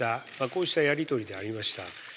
こうしたやり取りでありました。